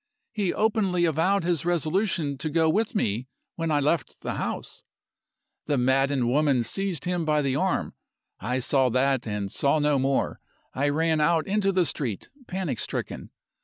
He openly avowed his resolution to go with me when I left the house. The maddened woman seized him by the arm I saw that, and saw no more. I ran out into the street, panic stricken.